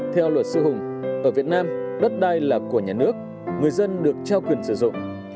theo luật sư hùng ở việt nam đất đai là của nhà nước người dân được trao quyền sử dụng